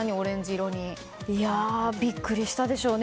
ビックリしたでしょうね